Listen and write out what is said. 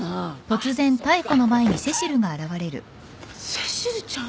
セシルちゃん？